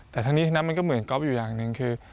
แต่ทั้งนี้ทั้งนั้นมันก็เหมือนก๊อฟอยู่อย่างหนึ่งคือ